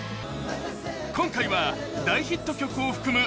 今回は大ヒット曲を含む